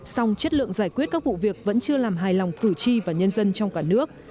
song chất lượng giải quyết các vụ việc vẫn chưa làm hài lòng cử tri và nhân dân trong cả nước